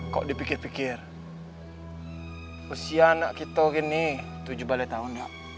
kok dipikir pikir usia anak kita gini tujuh balai tahun enggak